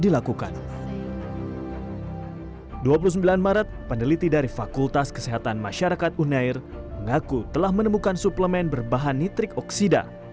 dua puluh sembilan maret peneliti dari fakultas kesehatan masyarakat unair mengaku telah menemukan suplemen berbahan nitrik oksida